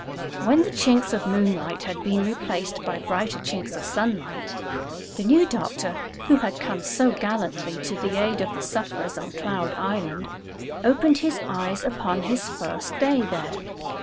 When the chinks of moonlight had been replaced by brighter chinks of sunlight, the new doctor who had come so gallantly to the aid of the sufferers on Cloud Island opened his eyes upon his first day there.